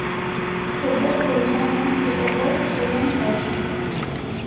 То бок, у яго мноства таго, што ён хоча.